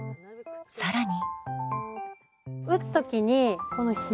更に。